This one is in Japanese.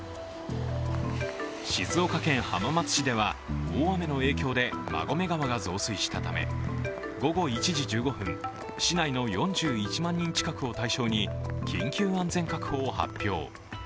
静岡県浜松市では大雨の影響で馬込川が増水したため午後１時１５分、市内の４１万人近くを対象に緊急安全確保を発表。